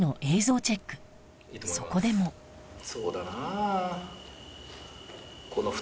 そこでもそうだなぁ。